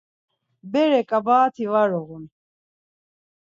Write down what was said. Bere ǩabaet̆i var uğun.